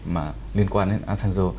mà liên quan đến asanzo